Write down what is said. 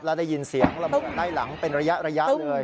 แล้วได้ยินเสียงระเบิดใต้หลังเป็นระยะเลย